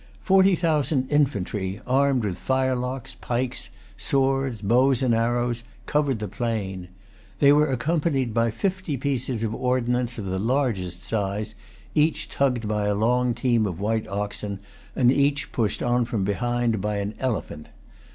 Forty thousand infantry, armed with firelocks, pikes, swords, bows and arrows, covered the plain. They were accompanied by fifty pieces of ordnance of the largest size, each tugged by a long team of white oxen, and each pushed on from behind by an elephant.